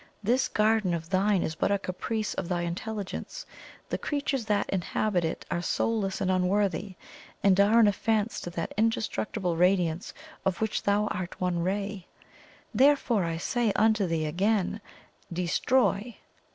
This garden of thine is but a caprice of thy intelligence; the creatures that inhabit it are soulless and unworthy, and are an offence to that indestructible radiance of which thou art one ray. Therefore I say unto thee again DESTROY!"